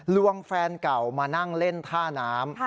วงแฟนเก่ามานั่งเล่นท่าน้ำ